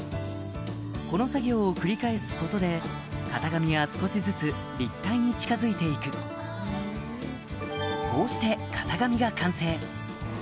この作業を繰り返すことで型紙は少しずつ立体に近づいて行くこうして型紙が完成